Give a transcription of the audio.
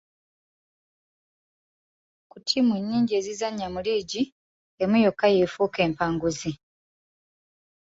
Ku ttiimu ennyingi ezizannya mu liigi, emu yokka y'efuuka empanguzi.